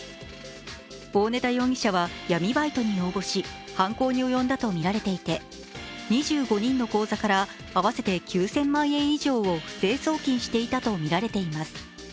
大根田容疑者は闇バイトに応募し、犯行に及んだとみられていて２５人の口座から合わせて９０００万円以上を不正送金していたとみられています。